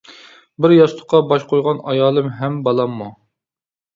بىر ياستۇققا باش قويغان ئايالىم ھەم بالاممۇ.